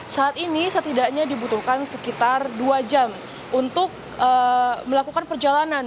saat ini setidaknya dibutuhkan sekitar dua jam untuk melakukan perjalanan